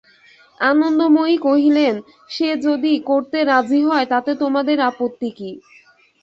আনন্দময়ী কহিলেন, সে যদি করতে রাজি হয় তাতে তোমাদের আপত্তি কী?